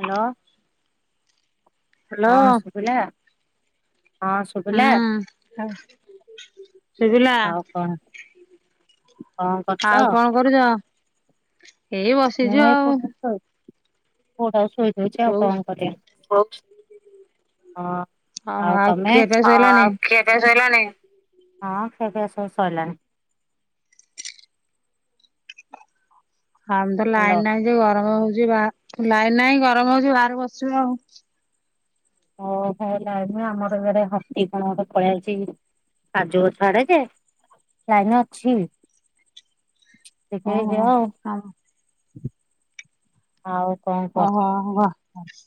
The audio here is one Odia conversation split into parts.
ହ୍ୟାଲୋ। ହ୍ୟାଲୋ ହଁ ଶୁଭିଲା। ହଁ ଶୁଭିଲା। ହଁ। ଶୁଭିଲା। ଆଉ କଣ କଣ ଆଉ କରୁଛ? କଣ କରୁଛ। ହେଇ ବସିଛୁ ମୁଁ ଏଇ ଆଉ। ପୁଅଟାକୁ ଶୋଇଦଉଛି ଆଉ କୋଉ କଣ କରିବି? ହଁ। ଓହୋ ଆଉ ଆଉ ତମେ? ଖିଆ ପିଆ ସଇଲାଣି ହଁ ଖିଆପିଆ ସବୁ ସଇଲାଣି। ଆମେ ତ ହ୍ୟାଲୋ। ଲାଇନ୍ ନାହିଁ ଯେ ଗରମ ହଉଛି ବା ଲାଇନ୍ ନାହିଁ ଗରମ ହଉଛି ବାହାରେ ବସିଛୁ ଆଉ। ଓ [unintelligible] ଆମର ଘରେ ହକି କଣ ଗୋଟେ ପଳେଇ ଆଇଛି। କାଜୁ ଗଛ ଆଡେ ଯେ ଲାଇନ ଅଛି। [unintelligible] ଓହୋ ଝିଅ ଆଉ ଆଉ କଣ କହ? ଓହୋ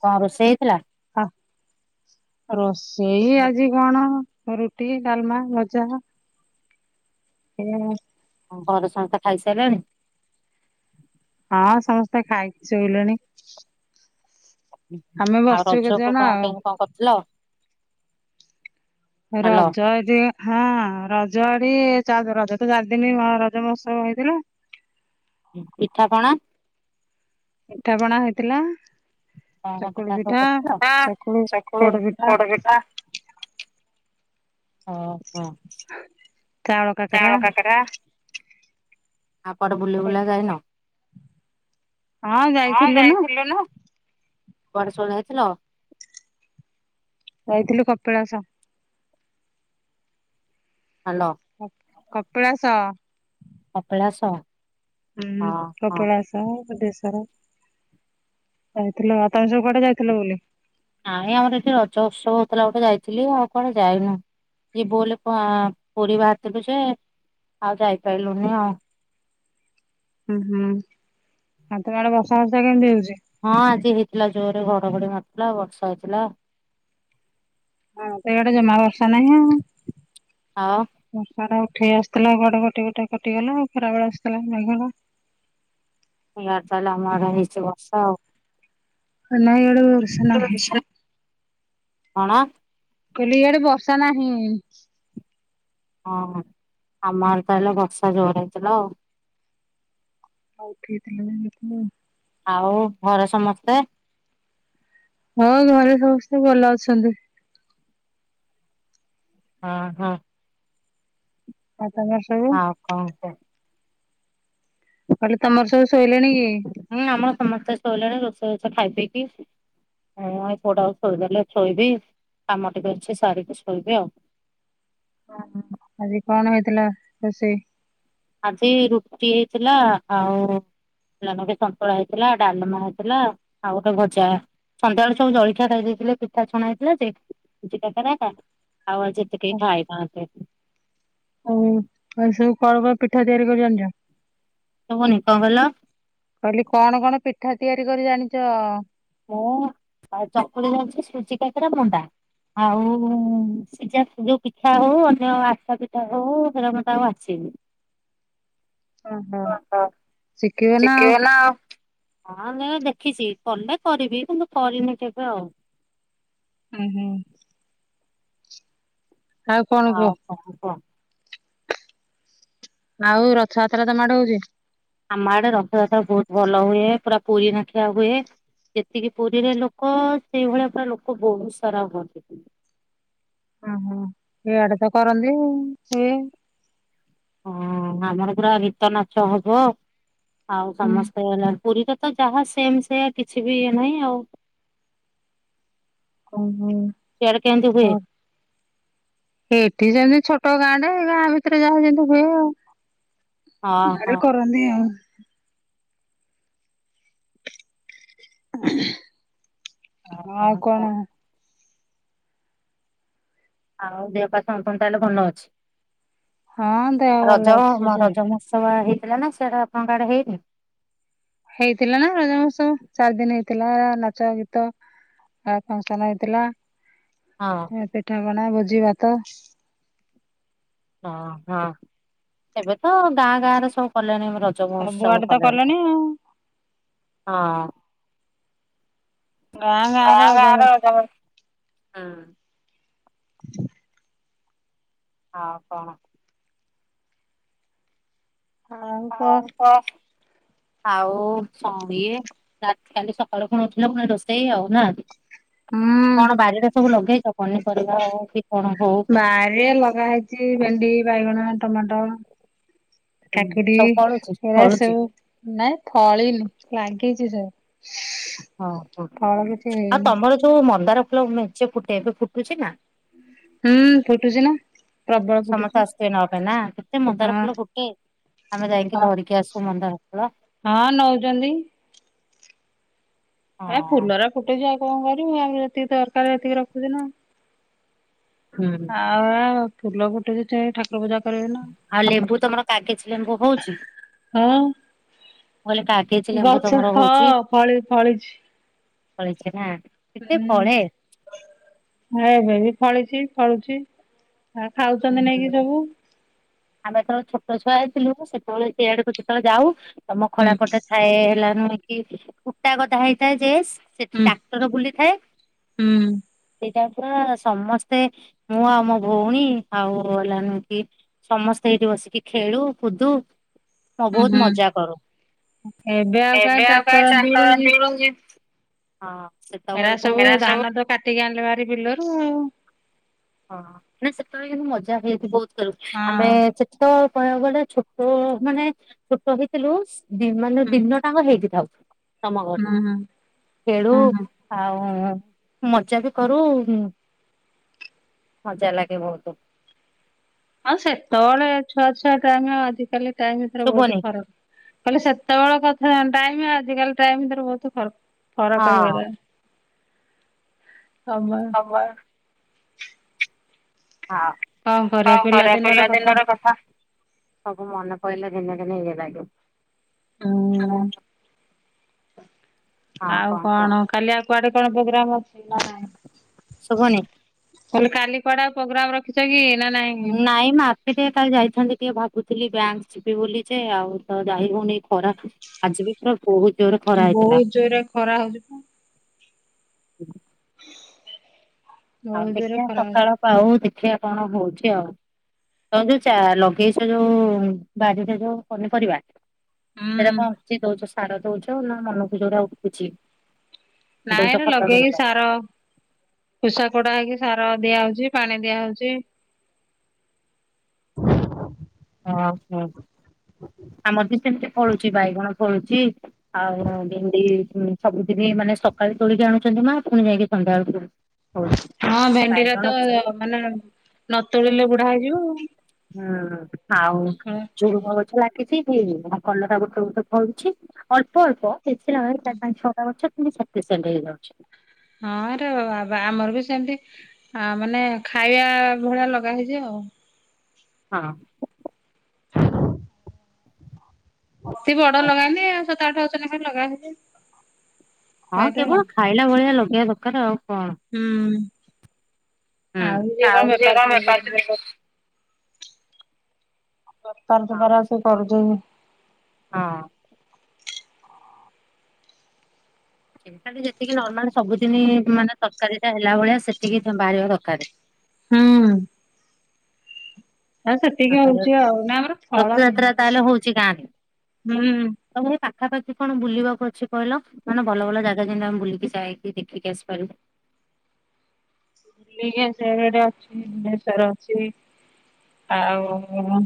କଣ ରୋଷେଇ ହେଇଥିଲା? ଆ, ରୋଷେଇ ଆଜି କଣ? ଓ ରୁଟି ଡାଲମା ଭଜା [unintelligible] ହଁ ଘରେ ସମସ୍ତେ ଖାଇସାରିଲଣି? ହଁ ସମସ୍ତେ ଖାଇକି ଶୋଇଲେଣି। ଆମେ ଆଉ ବସିଛୁ ରଜ କି କେତେଜଣ କଣ ଆଉ କେମତି କଣ କରିଥିଲ? ହ୍ୟାଲୋ ରଜ [unintelligible] ହଁ ରଜ ଆଡି ରଜ ତ ଚାରିଦିନି ରଜ ମହୋତ୍ସବ ହେଇଥିଲା। ପିଠା ପଣା। ପିଠା ପଣା ହେଇଥିଲା। କଣ ଚକୁଳି ସବୁ ପିଠା, କରିଥିଲ? ଚକୁଳି ପୋଡ ପିଠା। ପୋଡପିଠା, ଓ ହୋ ତାଳ କାକରା। ଆଉ କୁଆଡେ ବୁଲି ବୁଲା ଯାଇନ, ହଁ ଯାଇଥିଲୁ ନା। କୁଆଡେ ସବୁ ଯାଇଥିଲ? ଯାଇଥିଲୁ କପିଳାସ। ହ୍ୟାଲୋ। କପିଳାସ। କପିଳାସ। ହୁଁ। ହଁ ହଁ। କପିଳାସ, ବୁଧେଶ୍ଵର ଯାଇଥିଲୁ, ତମେ ସବୁ କୁଆଡେ ଯାଇଥିଲ ବୁ? ନାଇଁ ଆମର ଏଠି ରଜ ଉତ୍ସବ ହଉଥିଲା ଗୋଟେ ଯାଇଥିଲି, ଆଉ କୁଆଡେ ଯାଇନୁ। ଇଏ ବୋଲ ପୁରୀ ବାହାରିଥିଲୁ ସେ ଆଉ ଯାଇପାରିଲୁନି ଆଉ। ହୁଁ ହୁଁ ଆଉ ତମେ ଆଡେ ବସା ଫସା କେମିତି ହଉଛି? ହଁ ଆଜି ହେଇଥିଲା, ଜୋରରେ ଘଡଘଡି ମାରିଥିଲା, ବର୍ଷା ହେଇଥିଲା। ଆମର ତ ଇଆଡ଼େ ଜମା ବର୍ଷା ନାହି। ଆଉ ବର୍ଷାଟା ଉଠେଇ ଆସିଥିଲା କୁଆଡେ କଟି କୁଟା କଟିଗଲା ଆଉ ଖରାବେଳେ ଆସିଥିଲା ମେଘଟା ଇଆଡେ ତାହେଲେ ଆମ ଆଡେ ହେଇଛି ବର୍ଷା ଆଉ। ନାଇଁ ୟାଡେ [unintelligible] କଣ? ମୁଁ କହିଲି ଇଆଡେ ବର୍ଷା ନାହିଁ। ହଁ ଆମ ଆଡେ ତା ହେଲେ ବର୍ଷା ଜୋର ହେଇଥିଲା ଆଉ। ହଁ ଉଠେଇ ଥିଲିନିକି ମୁ। ଆଉ ଘରେ ସମସ୍ତେ ହଁ, ଘରେ ସମସ୍ତେ ଭଲ ଅଛନ୍ତି। ହଁ ହଁ। ଆଉ ତମର? ସବୁ ଆଉ କଣ କୁହ? କହଲି ତମର ସବୁ ଶୋଇଲେଣି କି? ହୁଁ ଆମର ସମସ୍ତେ ସୋଇିଲଣି ରୋଷ ବାସ ଖାଇ ପି। ହଁ ଏ ପୁଅଟାକୁ ଶୋଇଦେଲେ ଶୋଇବି, କାମ ଟିକେ ଅଛି ସାରିକି ଶୋଇବି ଆଉ। ଆଜି କଣ ହେଇଥିଲା ରୋଷେଇ? ଆଜି ରୁଟି ହେଇଥିଲା, ଆଉ ବନ୍ଧା କୋବି ସନ୍ତୁଳା ହେଇଥିଲା, ଡାଲମା ହେଇଥିଲା, ଆଉ ଗୋଟେ ଭଜା ସନ୍ଧ୍ୟାବେଳେ ସବୁ ଜଳଖିଆ ଖାଇ ଦେଇଥିଲେ ପିଠା ଛଣା ହେଇଥିଲା, ସୁଜି କାକରା ହେକା। ଆଉ ଆଜି ଏତେ କେହି ଖାଇ ନାହାନ୍ତି। ଆଉ କଣ ସବୁ କଣ କଣ ପିଠା ତିଆରି କରି ଜାଣିଛ? ଶୁବୁନି କଣ କହୀଲ? କହିଲି କଣ କଣ ପିଠା ତିଆରି କରି ଜାଣିଛ? ମୁଁ ଆଉ ଚକୁଳି ଜାଣିଛି ସୁଜି କାକରା ମଣ୍ଡା। ଆଉ ସେ ଯା ଯୋଉ ପିଠା ହଉ ଅନ୍ୟ ଆଶା ପିଠା ହଉ ହେରା ମତେ ଆଉ ଆସେନି। [inaudible] ଓହୋ, ଶିଖିବ ଆଉ। ସିକିବେ ନା। ହଁ ଦେ ଦେଖିଛି। କଲେ କରିବି କିନ୍ତୁ କରିନି କେବେ ଆଉ। ହୁଁ ହୁଁ ଆଉ କଣ କୁହ? [inaudible] ଆଉ ରଥଯାତ୍ରା ତମ ଆଡେ ହଉଛି। ଆମ ଆଡେ ରଥଯାତ୍ରା ବହୁତ ଭଲ ହୁଏ। ପୁରା ପୁରୀ ନଖିଆ ହୁଏ। ଯେତିକି ପୁରୀରେ ଲୋକ। ସେଇଭଳିଆ ପୁରା ଲୋକ ବହୁତ ସାରା ହୁଅନ୍ତି। ଓହୋ ହେଆଡେ ତ କରନ୍ତି ସିଏ ହଁ ଆମର ପୁରା ଗୀତ ନାଚ ହବ ଆଉ ହୁଁ ସମସ୍ତେ ହେଲା ପୁରୀର ତ ଯାହା ସେମ୍ ସେ କିଛି ବି ଇଏ ନାହିଁ ଆଉ। ଓହୋ ସିଆଡେ କେମିତି ହୁଏ? [inaudible] ଏଠି ଯେମିତି ଛୋଟ ଗାଁ ଟେ ଗାଁ ଭିତରେ ଯାହା ଯେମିତି ହୁଏ ଆଉ। ହଁ ହଁ। ଆରେ କରନ୍ତିି ଆଉ। ଆଉ କଣ? ଆଉ ଦେହ ପା ସମସ୍ତଙ୍କର ତାହେଲେ ଭଲ ଅଛି। ହଁ ଦେହ ଭଲ ରଜ ଅଛି ମ ସେ ରଜ ମହୋତ୍ସବ ହେଇଥିଲା। ନା ସେଟା ଆପଣଙ୍କ ଆଡେ ହେଇନି? ହେଇଥିଲା ନା ରଜ ମାହୋତ୍ସବ ଚାରି ଦିନ ହେଇଥିଲା ନାଚ ଗୀତ। ଆଉ ଫଙ୍ଗସନ ହେଇଥିଲା। ହଁ ପିଠା ପଣା ଭୋଜି ଭାତ। ହଁ ହଁ ଏବେ ତ ଗାଁ ଗାଁରେ ସବୁ କଲେଣି ର ରଜ ମହୋତ୍ସବ ସବୁଆଡେ ତ କଲେଣି। ଆଉ ହଁ ଗାଁ ଗାଁ ରେ [inaudible] ହୁଁ। [inaudible] ହଁ କଣ? ଆଉ କ ହଉ ତ ଆଉ। [inaudible] ରାତି କାଲି ସକାଳୁ ଖୁଣୁ ଉଠିଲେ ପୁଣି ରୋଷେଇ ଆଉ ନା। ହୁଁ କଣ ବାରିରେ ସବୁ ଲଗେଇଛ। ପନିପରିବା ହଉ କି କଣ ହଉ। ବାରିରେ ଲଗା ହେଇଛି ଭେଣ୍ଡି, ବାଇଗଣ, ଟମାଟୋ। କାକୁଡି ସବୁ ଫଳୁଛି? ଏରା ଫଳୁଛି ସବୁ ନାଇଁ ଫଳିନି ଲାଗିଛି ସବୁ। ହଁ ଫଳ କିଛି [unintelligible] ହେଇନି ତମର ଯୋଉ ମନ୍ଦାର ଫୁଲ ମେଞ୍ଚେଫୁଟେ ଏବେ ଫୁଟୁଛି ନା। ହୁଁ ଫୁଟୁଛି ନା। ପ୍ରବଳ ସମସ୍ତେ ଫୁଟୁଛି ଆସୁଥିବେ ନବା ପାଇଁ ନା। କେତେ ମୁନ୍ଧର ହଁ ଫୁଲ ଫୁଟେ। ଆମେ ଯାଇକି ଧରିକି ଆସୁ ମନ୍ଦାର ଫୂଳ? ହଁ ନଉତନ୍ତି। ଏର। ହଁ। ଫୁଲରା ଫୁଟୁଛି ଆଉ କଣ କରିବୁ? ଆମ ଯେତିକି ଦରକାର ସେତିକି ରଖୁଛି ନା। ହୁଁ ଆଉ ଫୁଲ ଗୋଟେ [unintelligible] ପୂଜା କରିବ। ଆଉ ଲେମ୍ବୁ ତମର କାଗଜ ଲେମ୍ବୁ ହଉଛି [inaudible] କିଲେ କାଗ। ବାଛା ହଁ ଫଳି ଫଳିଛି। ପଳେଇଛି ନା। କେତେ ଫଳେ ହୁଁ [inaudible] ଏବେ ବି ଫଳିଛି ଫଳୁଛି। ଆଉ ଖାଉଛନ୍ତି ନାଇ କିି ହୁଁ ସବୁ। ଆମେ ତଳେ ଛୋଟ ଛୁଆ ହେଇଥିଲୁ। ସେତେବ [unintelligible] ସେଇଆଡେକୁ ଯେତେବେଳେ ଯାଉ ତମ ହୁଁ ଖଳାପଟେ ଏ ହେଲା ନିକି କି କୁଟା ଗଦା ହେଇଥାଏ ଜେସ୍। ସେଠି ହୁଁ ଟ୍ରାକ୍ଟର ବୁଲିଥାଏ। ହୁଁ ସେଇଟା ପୁରା ସମସ୍ତେ ମୁଁ ଆଉ ମୋ ଭଉଣୀ ଆଉ ହେଲାନୁ କି ସମସ୍ତେ ଏଇଠି ବସିକି ଖେଳୁ କୁଦୁ। ମୁଁ ହୁଁ ବହୁତ ହୁଁ। ମଜା କରୁ ଆଉ କାହିଁ ଏବେ ଟ୍ରାକ୍ଟର ଆଉ ଆଣିକି ମିଳୁଛି [unintelligible] ହଁ ସେତେବେଳକୁ [unintelligible] ସେତିିକି ଆଣିଲେ ହାରି ବିଲରୁ ଆଉ। ହଁ ନା ସେତେବେଳେ କିନ୍ତୁ ମଜା ହୁଏ [unintelligible] ବହୁତ ଖେଳୁ ଆମେ ହଁ ଚେ ତ କହିବାକୁ ଗଲେ ଛୋଟ ମାନେ ଛୋଟ ହେଇଥିଲୁ ଦି ମାନେ ହୁଁ ଦିନ ଟାଙ୍କ ହେଇଟି ଥାଉ। ତମ ଘଟି ହୁଁ ହୁଁ ଖେଳୁ ହୁଁ ହୁଁ। ଆଉ ମଜା ବି କରୁ ଉଁ ମଜା ଲାଗେ ବହୁତ। ଆଉ ସେତେବେଳେ ଛୁଆ ଛୁଆ ଟାଇମ ଆଉ ଆଜିକାଲି ଟାଇମ ଭିତରେ ବହୁତ ଶୁଭନି ଫରକ। କହିଲେ ସେତେବେଳେ କଥା ଟାଇମ ଆଜିକାଲି ଟାଇମର ବହୁତ ଫରକ ଫରକ ହେଇ ହଁ। ଗଲାଣି। ଆମର ହାମ୍ପା ହଁ କଣ କରିବା ପିଲା ଦିନର କଥା। ସବୁ ମନେ ପିଇଲେ ଦିନେ ଦିନେ ଇଏ ଲାଗେ ହୁଁ [unintelligible] ଆଉ କଣ କାଲି ଆଉ କୁଆଡେ କଣ ପ୍ରୋଗ୍ରାମ ଅଛି ନା ନାଇଁ? ଶୁଭନି କହିଲି କାଲି କୁଆଡେ ଆଉ ପ୍ରୋଗ୍ରାମ ରଖିଛ କି ନା ନାଇଁ ନାଇ ମା ସେ ଟିକେ କାଲି ଯାଇଥାନ୍ତି ଟିକେ ଭାବୁଥିଲି ବ୍ୟାଙ୍କ ଯିବି ବୋଲି ଯେ ଆଉ ତ ଯାଇ ହଉନି ଖରାକୁ ଆଜି ବି ପୁରା ବହୁତ ଜୋରରେ ଖରା ବହୁତ ହେଇଥିଲା। ଜୋରରେ ଖରା ହଉଛି ତ ଆଉ ଦେଖିବା ସକାଳ ପାଉ ଦେଖିବା କଣ ହଉଛି ଆଉ। ତ ଯୋଉ ଚା ଲଗେଇଛ ଯୋଉ ବାଡିରେ ଯୋଉ ପନିପରିବା ସେଇଟା ହୁଁ। କଣ କିଛି ଦଉଛ ସାର ଦଉଛ ନା ମନକୁ ଯୋଉରା ଉଠୁଛି? ଦଉଛ ନାଇଁରେ ଖତ ଲଗେଇକି ଦଉଛ? ସାର ଖୁଷା କୋଡା ହେଇକି ସାର ଦିଆ ହଉଛି ପାଣି ଦିଆ ହଉଛି। ଓହୋ ଆମର ବି ସେମିତି ଫଳୁଛି ବାଇଗଣ ଫଳୁଛି। ଆଉ ଭେଣ୍ଡି ସବୁଦିନ ମାନେ ସକାଳେ ତୋଳିକି ଆଣୁଛନ୍ତି ମା ପୁଣି ଯାଇକି ସନ୍ଧ୍ୟା ବେଳକୁ ହଉଛି ହଁ ଭେଣ୍ଡି ଟ ତ ବାଇଗଣ ମାନେ ନ ତୋଳିଲେ ବୁଢା ହେଇଯିବ। ହୁଁ ଆଉ ଝୁଡୁଙ୍ଗ ଗଛ ଲାଗିଛି କି ଆଉ କଲରା ଗୁଟେ ଗୁଟେ ଫଳୁଛି ଅଳ୍ପ ଅଳ୍ପ ବେଶୀ ନାହିଁ ମ ପା ପାଞ୍ଚ ଛଅଟା ଗଛ ଅଛି କିନ୍ତୁ ସଫିସିଏଣ୍ଟ ହେଇଯାଉଛି। ହଁ ଏରା ବା ଆମର ବି ସେମିତି ଆଁ ମାନେ ଖାଇବା ଭଳିଆ ଲଗା ହେଇଚି ଆଉ। ହଁ। ବେଶି ବଡ ହଁ ଲଗାନି ଆଉ [unintelligible] ଲଗାନ୍ତି। ହଁ କେବଳ ଖାଇଲା ଭଳିଆ ଲଗେଇବା ଦରକାର ଆଉ କଣ? ହୁଁ ହୁଁ। ଆଉ ସେ କଣ ବେପାର [unintelligible] ଫେପାର କରୁଛି। [unintelligible] ହଁ କରୁଛି ଏଇନେ ହଁ। [unintelligible] ଯେତିକି ନର୍ମାଲ ସବୁଦିନ ମାନେ ତରକାରୀ ଟା ହେଲା ଭଳିଆ ସେତିକି ବାହାରିବା ଦରକାରେ। ହୁଁ। ଆଉ ସେତିକି ହଉଛି ନା ଆମର ଫଳ ରଥଯାତ୍ରା ହେଇନି ହୁଁ। ତମର ଏ ପାଖାପାଖି କଣ ବୁଲିବାକୁ ଅଛି କହିଲ? ମାନେ ଭଲ ଭଲ ଜାଗା ଯେମିତି ଆମେ ବୁଲିକି ଯାଇକି ଦେଖିକି ଆସିପାରୁ। [unintelligible] ଅଛି ଭୁବନେଶ୍ଵର ଅଛି ଆଉ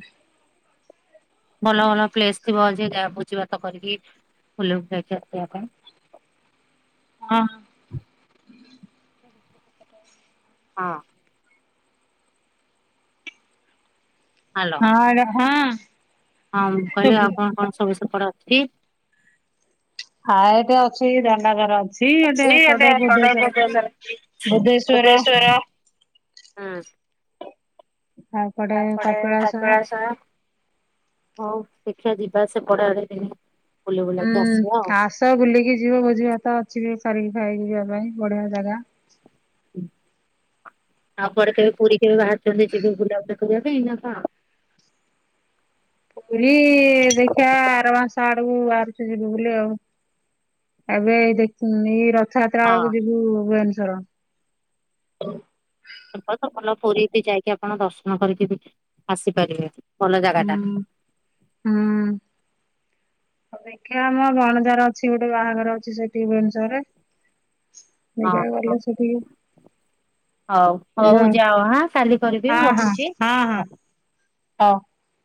ଭଲ ଭଲ ପ୍ଲେସ ଥିବ ଯେ ଗା ଭୋଜିଭାତ କରିକି ବୁଲି ବୁଲାକି ଆସି ହବ ହଁ। ହଁ। ହାଲୋ ହଁ ହଁ ହଁ ମୁଁ କହିଲି ଶୁବୁ ଆଉ କଣ କଣ ସବୁ ସେପଟେ ଅଛି? ଆ ଏଠି ଅଛି ଦଣ୍ଡାଧର। ଅଛି ଗୋଟେ କଡ଼କ ଏବେ ସଦର ବଦ୍ଧେଶର ଅଛି ବୁଦ୍ଧେଶ୍ଵର ବୁଦ୍ଧେଶ୍ଵର ହଁ ଆଉ ଏପଟେ କପିଳାସ ହଉ ଦେଖିଆ ଯିବା ସେପଟ ଆଡେ ଦିନେ। ବୁଲି ହୁଁ ବୁଲାକି ଆସିବା ଆଉ। ଆସ ବୁଲିକି ଯିବ ଭୋଜିଭାତ ଅଛିିବି ସାରିକି ଖାଇକି ଯିବା ପାଇଁ ବଢିଆ ଜାଗା। ଆଉ କୁଆଡେ କେବେ ପୁରୀ କେବେ ବାହାରୁଛନ୍ତି ଯିବେ ବୁଲାବୁଲି କରିବା ପାଇଁ କଣ ପୁରୀ ଦେଖିବା ଆର ମାସ ଆଡକୁ ବାହାରୁଚୁ ଯିବୁ ବୁଲି ଆଉ। ଏବେ ଏଇ ଦେଖୁ ନି ଏଇ ରଥଯାତ୍ରା ହଁ ବେଳକୁ ଯିବୁ ଭୁବନେଶ୍ୱର। ବଳ ତ ଭଲ ପୁରୀ ଯାଇକି ଆପଣ ଦର୍ଶନ କରିକି ଆସିପାରିବେ ଭଲ ଜାଗା ଟା। ହଁ ଅ ଦେଖିବା ଆମ ଭଣଜାର ଅଛି ଗୋଟେ ବାହାଘର ଅଛି ସେଠି ଭୁବନେଶ୍ୱରରେ ହଁ ଦେଖିବା ହଁ ଗଲେ ସେଠିକ ହଉ ହଉ ଯାଅ ହଁ କାଲି କରିବି ମୁଁ ହଁ ହଁ ରଖୁଛି ହଁ ହଉ। ହଁ